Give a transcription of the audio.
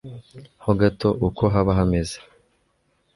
ho gato uko haba hameze